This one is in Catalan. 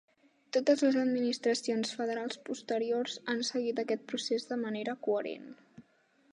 Totes les administracions federals posteriors han seguit aquest procés de manera coherent.